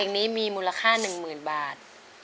เพลงนี้มีมูลค่าหนึ่งหมื่นบาท